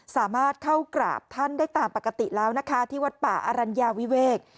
สามารถเข้ากราบท่านได้ตามปกติแล้วนะคะที่วัดป่าอรัญญาวิเวก